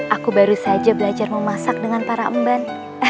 aku baru saja belajar memasak dengan para emban